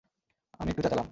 আমি একটু চেঁচালাম।